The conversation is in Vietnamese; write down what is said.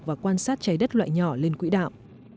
và quan sát trái đất loại nhỏ lên quỹ đạo